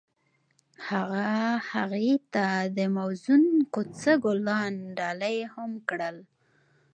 هغه هغې ته د موزون کوڅه ګلان ډالۍ هم کړل.